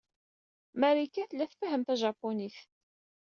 Marika tella tfehhem tajapunit?